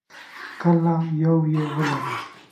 کله یو یې ولرو.